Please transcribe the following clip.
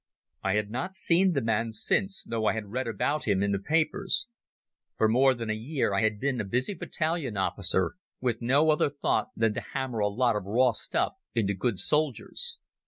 I had not seen the man since, though I had read about him in the papers. For more than a year I had been a busy battalion officer, with no other thought than to hammer a lot of raw stuff into good soldiers.